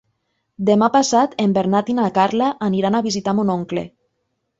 Demà passat en Bernat i na Carla aniran a visitar mon oncle.